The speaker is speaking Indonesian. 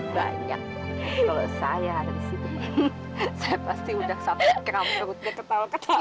banyak kalau saya ada di sini saya pasti sudah sampai keram perutnya ketawa ketawa